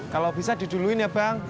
kalau bisa diduluin ya bang